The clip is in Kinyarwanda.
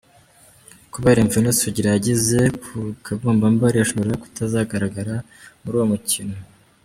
Kubera imvune Sugira yagize ku kagombambari, ashobora kutazagaragara muri uwo mukino.